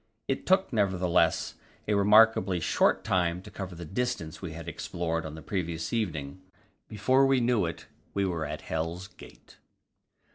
It took, nevertheless, a remarkably short time to cover the distance we had explored on the previous evening; before we knew it, we were at Hell's Gate.